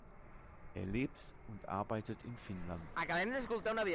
Er lebt und arbeitet in Finnland.